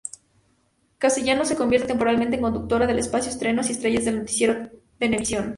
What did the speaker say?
Castellanos se convierte temporalmente en conductora del espacio "Estrenos y Estrellas" del Noticiero Venevisión.